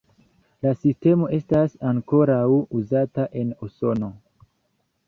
La sistemo estas ankoraŭ uzata en Usono.